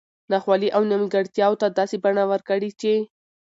نا خوالي او نیمګړتیاوو ته داسي بڼه ورکړي چې